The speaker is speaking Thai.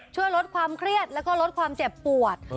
ช่วยลดความเครียดแล้วก็ลดความเจ็บปวด